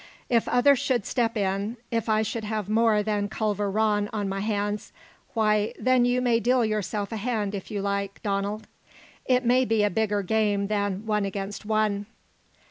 If others should step in, if I should have more than Culver Rann on my hands why, then you may deal yourself a hand if you like, Donald. It may be a bigger game than One against One."